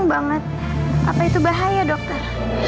banget apa itu bahaya dokter